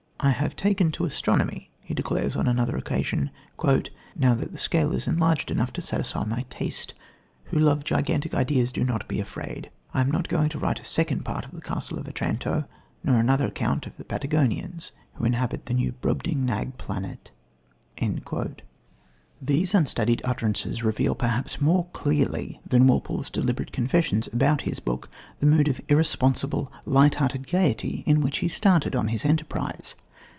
"I have taken to astronomy," he declares on another occasion, "now that the scale is enlarged enough to satisfy my taste, who love gigantic ideas do not be afraid; I am not going to write a second part to The Castle of Otranto, nor another account of the Patagonians who inhabit the new Brobdingnag planet." These unstudied utterances reveal, perhaps more clearly than Walpole's deliberate confessions about his book, the mood of irresponsible, light hearted gaiety in which he started on his enterprise.